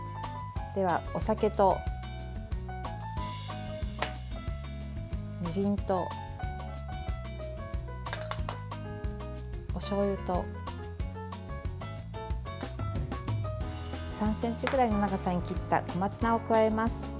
では、お酒とみりんとおしょうゆと３ｃｍぐらいの長さに切った小松菜を加えます。